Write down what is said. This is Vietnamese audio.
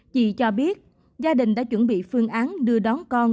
chị cho biết gia đình đã chuẩn bị phương án đưa đón con